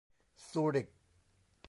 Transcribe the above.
ซูริค